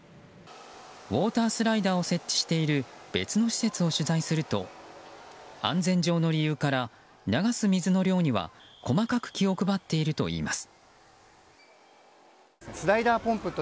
ウォータースライダーを設置している別の施設を取材すると安全上の理由から流す水の量には細かく気を配っているといいます。